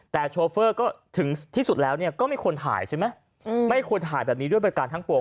แต่ที่สุดแล้วเนี้ยก็ไม่ควรถ่ายใช่ไหมอึมไม่ควรถ่ายแบบนี้ด้วยเป็นการทั้งปวง